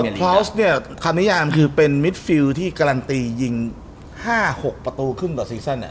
พลอสเนี่ยคำนิยามคือเป็นมิดฟิลที่การันตียิง๕๖ประตูครึ่งต่อซีซั่น